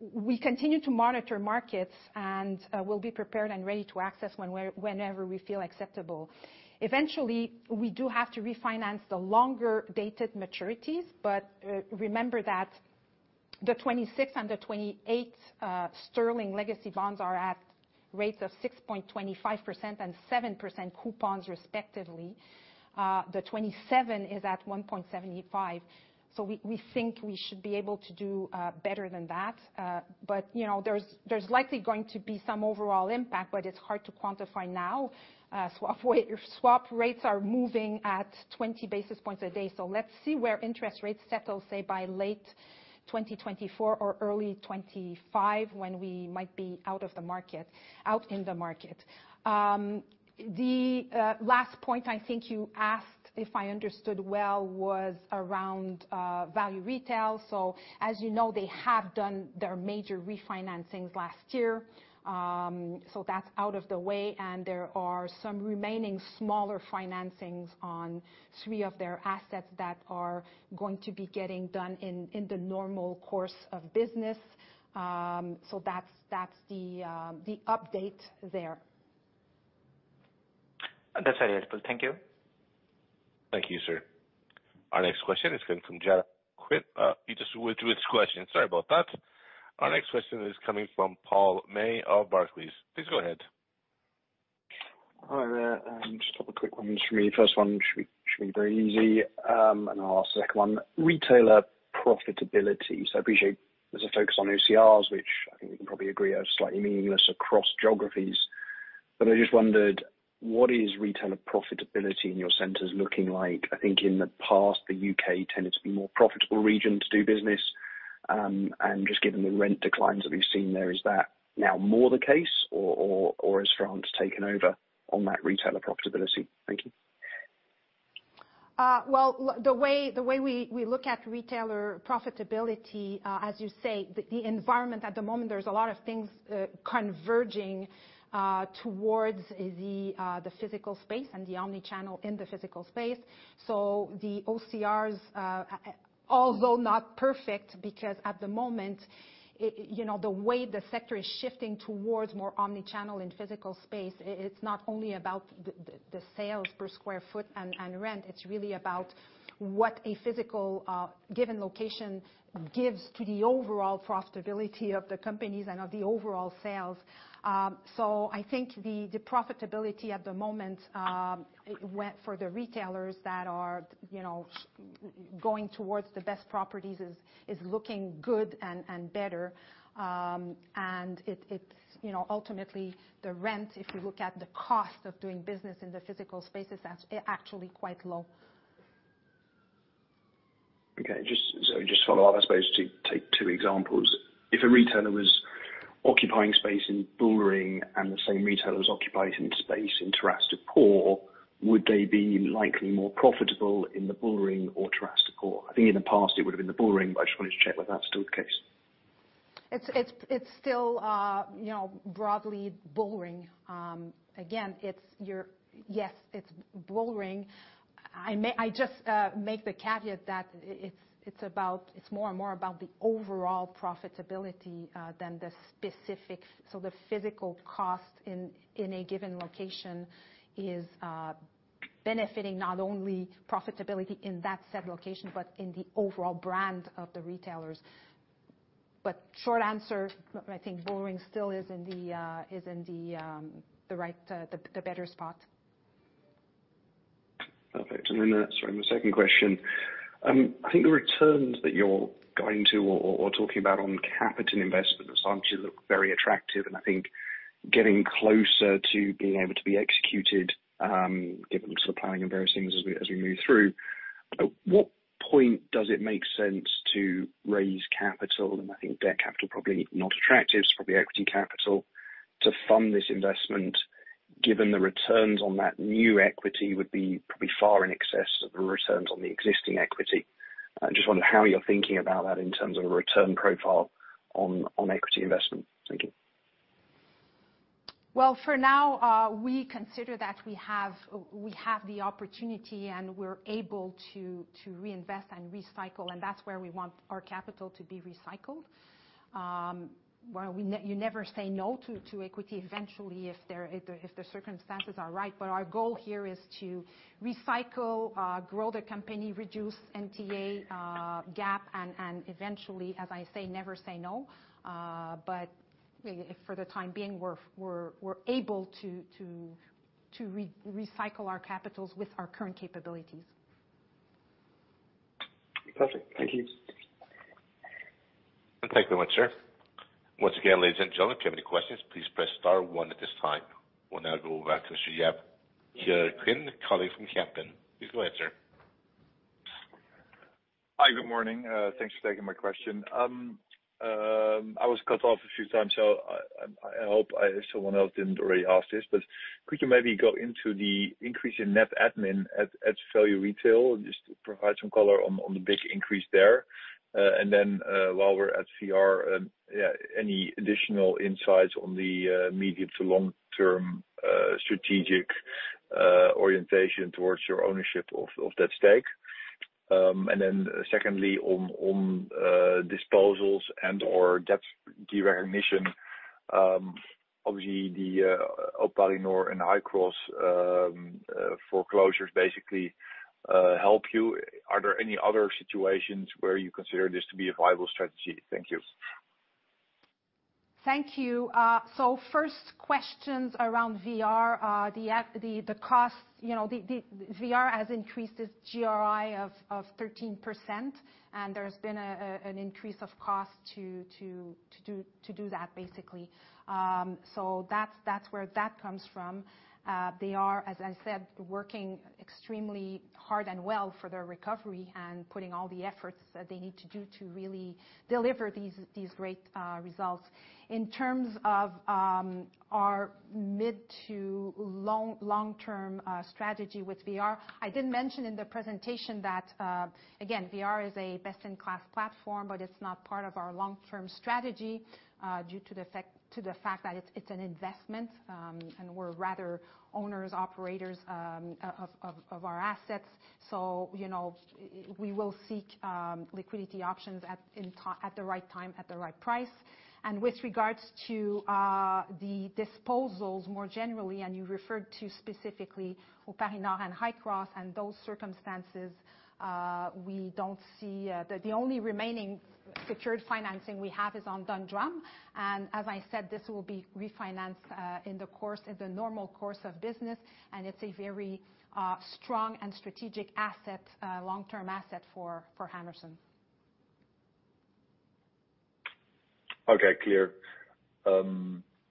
We continue to monitor markets, and we'll be prepared and ready to access whenever we feel acceptable. Eventually, we do have to refinance the longer-dated maturities, remember that the 2026 and the 2028 sterling legacy bonds are at rates of 6.25% and 7% coupons respectively. The 2027 is at 1.75%, so we think we should be able to do better than that. You know, there's likely going to be some overall impact, but it's hard to quantify now. Swap rates are moving at 20 basis points a day, let's see where interest rates settle, say by late 2024 or early 2025, when we might be out in the market. The last point I think you asked, if I understood well, was around Value Retail. As you know, they have done their major refinancings last year. That's out of the way, and there are some remaining smaller financings on three of their assets that are going to be getting done in the normal course of business. That's the update there. That's very helpful. Thank you. Thank you, sir. Our next question is coming from... He just withdrew his question. Sorry about that. Our next question is coming from Paul May of Barclays. Please go ahead. Hi there, just a couple of quick ones from me. First one should be very easy. Our second one, retailer profitability. I appreciate there's a focus on OCRs, which I think we can probably agree are slightly meaningless across geographies. I just wondered, what is retailer profitability in your centers looking like? I think in the past, the U.K. tended to be a more profitable region to do business. Just given the rent declines that we've seen there, is that now more the case, or has France taken over on that retailer profitability? Thank you. Well, the way, the way we look at retailer profitability, as you say, the environment at the moment, there's a lot of things converging towards the physical space and the omni-channel in the physical space. The OCRs, although not perfect, because at the moment, you know, the way the sector is shifting towards more omni-channel and physical space, it's not only about the, the sales per square foot and rent, it's really about what a physical given location gives to the overall profitability of the companies and of the overall sales. I think the profitability at the moment, for the retailers that are, you know, going towards the best properties, is looking good and better. It, it's, you know, ultimately the rent, if you look at the cost of doing business in the physical space, is actually quite low. Okay, just to follow up, I suppose, to take two examples. If a retailer was occupying space in Bullring, and the same retailer was occupying space in Terrasses du Port, would they be likely more profitable in the Bullring or Terrasses du Port? I think in the past it would have been the Bullring, I just wanted to check whether that's still the case. It's still, you know, broadly Bullring. Again, Yes, it's Bullring. I just make the caveat that it's about, it's more and more about the overall profitability than the specific... The physical cost in a given location is benefiting not only profitability in that said location, but in the overall brand of the retailers. Short answer, I think Bullring still is in the right, the better spot. Perfect. Sorry, my second question. I think the returns that you're going to or talking about on capital investment assumptions look very attractive, and I think getting closer to being able to be executed, given sort of planning and various things as we move through. At what point does it make sense to raise capital? I think debt capital probably not attractive, so probably equity capital, to fund this investment, given the returns on that new equity would be probably far in excess of the returns on the existing equity. I just wonder how you're thinking about that in terms of a return profile on equity investment. Thank you. Well, for now, we consider that we have the opportunity, and we're able to reinvest and recycle, and that's where we want our capital to be recycled. Well, you never say no to equity, eventually, if the circumstances are right. Our goal here is to recycle, grow the company, reduce NTA gap, and eventually, as I say, never say no. For the time being, we're able to recycle our capitals with our current capabilities. Perfect. Thank you. Thank you very much, sir. Once again, ladies and gentlemen, if you have any questions, please press star one at this time. We'll now go back to Jaap Kuin, calling from Kempen. Please go ahead, sir. Hi, good morning. Thanks for taking my question. I hope someone else didn't already ask this, but could you maybe go into the increase in net admin at Value Retail? Just to provide some color on the big increase there. While we're at VR, yeah, any additional insights on the medium to long-term strategic orientation towards your ownership of that stake? Secondly, on disposals and/or debt derecognition, obviously the O'Parinor and Highcross foreclosures basically help you. Are there any other situations where you consider this to be a viable strategy? Thank you. Thank you. First questions around VR, the cost, you know, the VR has increased its GRI of 13%, and there's been an increase of cost to do that, basically. That's where that comes from. They are, as I said, working extremely hard and well for their recovery and putting all the efforts that they need to do to really deliver these great results. In terms of our mid to long-term strategy with VR, I did mention in the presentation that again, VR is a best-in-class platform, it's not part of our long-term strategy due to the fact that it's an investment, and we're rather owners, operators of our assets. you know, we will seek liquidity options at the right time, at the right price. With regards to the disposals more generally, and you referred to specifically O'Parinor and Highcross and those circumstances, we don't see. The only remaining secured financing we have is on Dundrum, and as I said, this will be refinanced in the normal course of business, and it's a very strong and strategic asset, long-term asset for Hammerson. Okay, clear.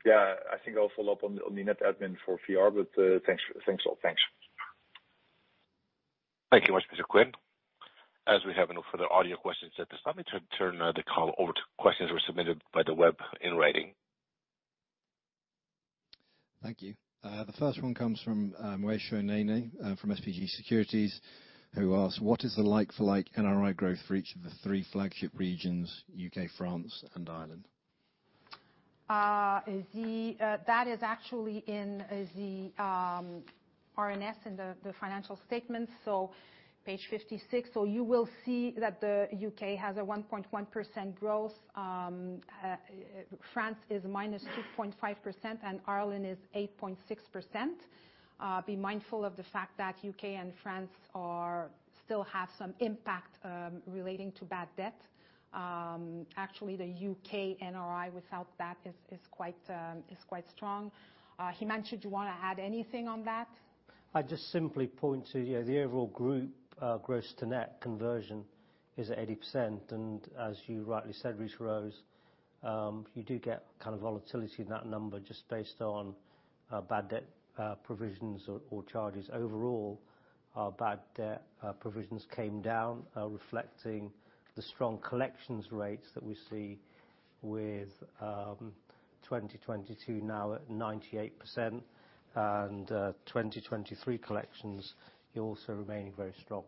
Yeah, I think I'll follow up on the net admin for VR, but thanks a lot. Thanks. Thank you much, Mr. Kuin. As we have no further audio questions at this time, let me turn the call over to questions that were submitted by the web in writing. Thank you. The first one comes from, *audio distortion* from SPG Securities, who asks: What is the like-for-like NRI growth for each of the three flagship regions, U.K., France, and Ireland? That is actually in the RNS in the financial statements, page 56. You will see that the U.K. has a 1.1% growth. France is -2.5%, and Ireland is 8.6%. Be mindful of the fact that U.K. and France still have some impact relating to bad debt. Actually, the U.K. NRI, without that, is quite strong. Himanshu, do you want to add anything on that? I'd just simply point to, you know, the overall group, gross to net conversion is at 80%, and as you rightly said, Rita-Rose, you do get kind of volatility in that number just based on bad debt provisions or charges. Overall, our bad debt provisions came down, reflecting the strong collections rates that we see with 2022 now at 98%, and 2023 collections also remaining very strong.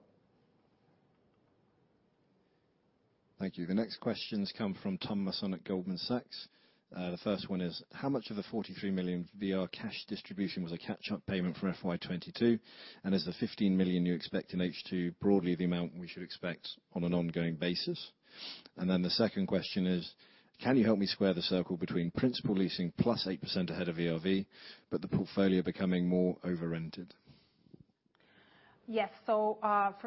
Thank you. The next questions come from Thomas at Goldman Sachs. The first one is: How much of the 43 million VR cash distribution was a catch-up payment for FY 2022, and is the 15 million you expect in H2 broadly the amount we should expect on an ongoing basis? The second question is: Can you help me square the circle between principal leasing plus 8% ahead of ERV, but the portfolio becoming more over-rented? Yes. For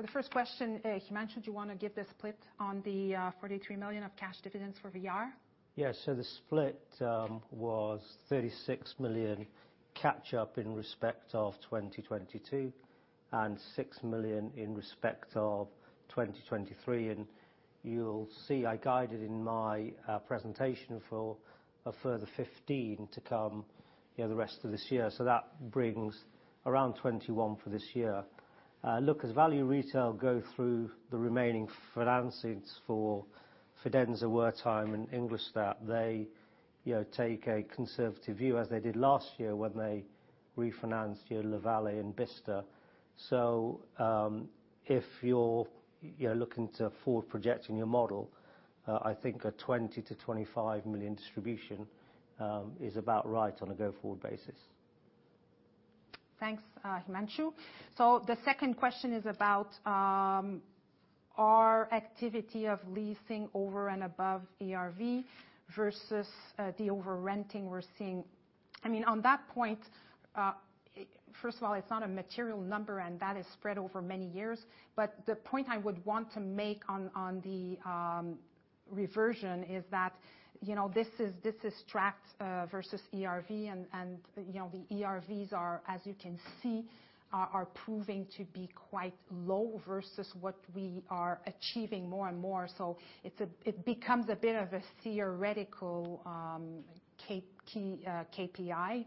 the first question, Himanshu, do you want to give the split on the 43 million of cash dividends for VR? Yes. The split was 36 million catch up in respect of 2022, and 6 million in respect of 2023. You'll see, I guided in my presentation for a further 15 million to come, you know, the rest of this year. That brings around 21 million for this year. Look, as Value Retail go through the remaining financings for Fidenza, Wertheim and Ingolstadt, they, you know, take a conservative view, as they did last year when they refinanced, you know, La Vallée and Bicester. If you're looking to forward projecting your model, I think a 20 million-25 million distribution is about right on a go-forward basis. Thanks, Himanshu. The second question is about our activity of leasing over and above ERV versus the overrenting we're seeing. I mean, on that point, first of all, it's not a material number, and that is spread over many years. The point I would want to make on the reversion is that, you know, this is, this is tracked versus ERV and, you know, the ERVs are, as you can see, are proving to be quite low versus what we are achieving more and more. It becomes a bit of a theoretical key KPI.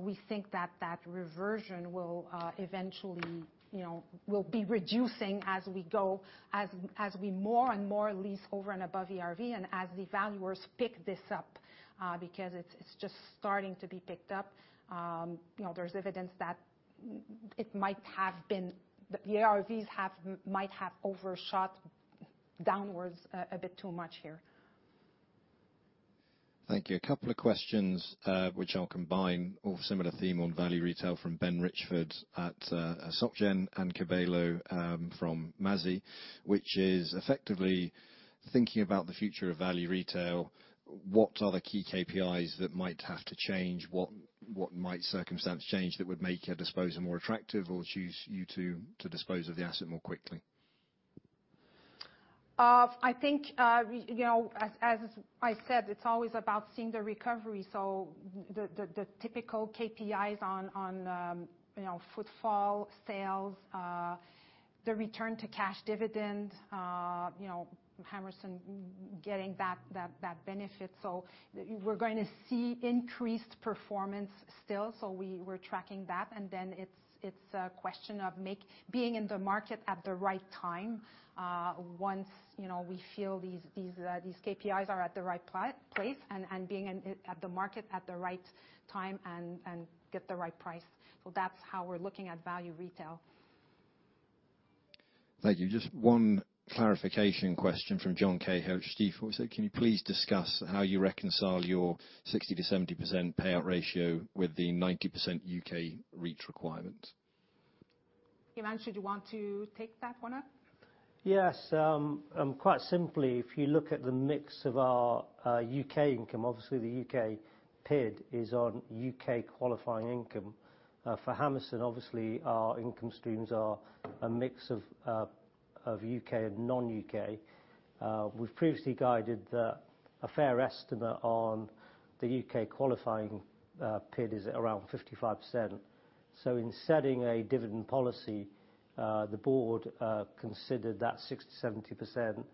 We think that that reversion will eventually, you know, will be reducing as we go, as we more and more lease over and above ERV. As the valuers pick this up, because it's just starting to be picked up. You know, there's evidence that it might have been. The ERVs might have overshot downwards a bit too much here. Thank you. A couple of questions, which I'll combine, all similar theme on Value Retail from Ben Richford at Soc Gen and [Cabello], from Mazi, which is effectively thinking about the future of Value Retail, what are the key KPIs that might have to change? What might circumstance change that would make a disposal more attractive or choose you to dispose of the asset more quickly? I think, we, you know, as I said, it's always about seeing the recovery, so the typical KPIs on, you know, footfall, sales, the return to cash dividend, you know, Hammerson getting back that benefit. we're going to see increased performance still, we're tracking that, and then it's a question of being in the market at the right time, once, you know, we feel these KPIs are at the right place and being at the market at the right time and get the right price. That's how we're looking at Value Retail. Thank you. Just one clarification question from John Cahill at Stifel. Can you please discuss how you reconcile your 60%-70% payout ratio with the 90% U.K. REIT requirement? Himanshu, do you want to take that one up? Yes. quite simply, if you look at the mix of our U.K. income, obviously the U.K. PID is on U.K. qualifying income. For Hammerson, obviously, our income streams are a mix of U.K. and non-U.K. We've previously guided that a fair estimate on the U.K. qualifying PID is around 55%. In setting a dividend policy, the board considered that 60%-70%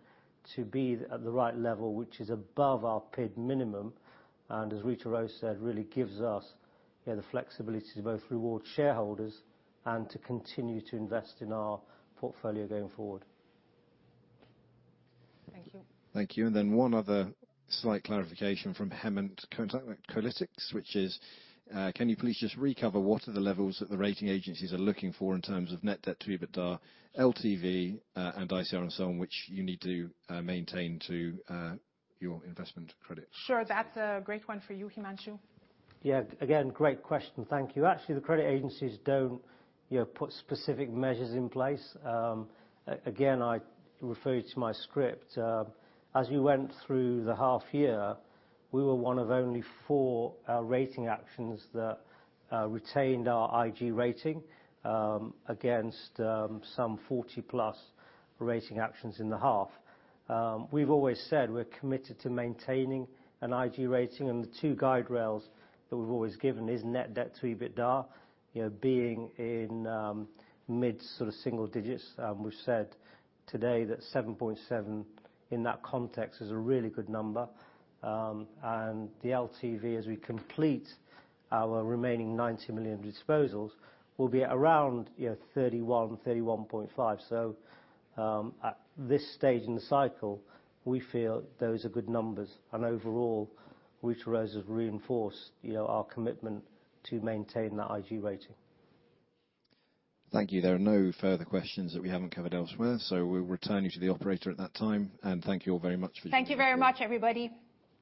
to be at the right level, which is above our PID minimum, and as Rita-Rose said, really gives us, you know, the flexibility to both reward shareholders and to continue to invest in our portfolio going forward. Thank you. Thank you. One other slight clarification from Hemant Kotak at Kolytics, which is: Can you please just recover what are the levels that the rating agencies are looking for in terms of net debt to EBITDA, LTV, and ICR, and so on, which you need to maintain to your investment credit? Sure. That's a great one for you, Himanshu. Again, great question. Thank you. Actually, the credit agencies don't, you know, put specific measures in place. Again, I refer you to my script. As we went through the half year, we were one of only four rating actions that retained our IG rating against some 40+ rating actions in the half. We've always said we're committed to maintaining an IG rating, and the two guide rails that we've always given is net debt to EBITDA, you know, being in mid sort of single digits. We've said today that 7.7, in that context, is a really good number. And the LTV, as we complete our remaining 90 million disposals, will be around, you know, 31.5. At this stage in the cycle, we feel those are good numbers. Overall, Rita-Rose has reinforced, you know, our commitment to maintain that IG rating. Thank you. There are no further questions that we haven't covered elsewhere, so we'll return you to the operator at that time. Thank you all very much for your time. Thank you very much, everybody.